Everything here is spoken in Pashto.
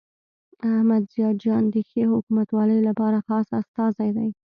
احمد ضیاء جان د ښې حکومتولۍ لپاره خاص استازی دی.